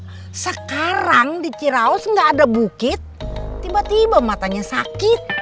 tapi kaya sekarang di ciraus gak ada bukit tiba tiba matanya sakit